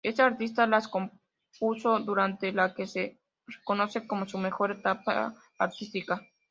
Este artista las compuso durante la que se reconoce como su mejor etapa artística.